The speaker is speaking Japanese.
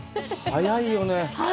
早いよね。